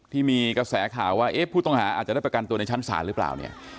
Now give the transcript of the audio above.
ที่มีกระแสข่าวว่าเอ๊ะผู้ต้องหาอาจจะได้ประกันตัวในชั้นศาลหรือเปล่าเนี่ย